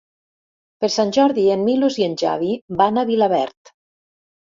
Per Sant Jordi en Milos i en Xavi van a Vilaverd.